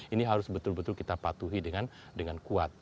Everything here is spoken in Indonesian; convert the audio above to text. ini harus betul betul kita patuhi dengan kuat